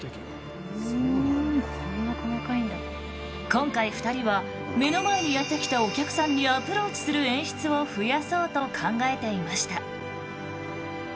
今回２人は目の前にやって来たお客さんにアプローチする演出を増やそうと考えていました。